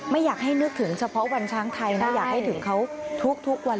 ไม่อยากให้นึกถึงเฉพาะวันช้างไทยนะอยากให้ถึงเขาทุกวัน